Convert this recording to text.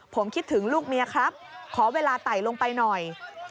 ผมคิดถึงลูกเมียครับขอเวลาไต่ลงไปหน่อย